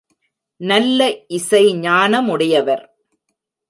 நல்ல இசை ஞானமுடையவர்.